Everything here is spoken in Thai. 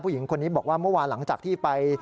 ผู้หญิงคนนี้บอกว่าเมื่อวานหลังจากที่ไป